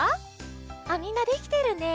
あっみんなできてるね。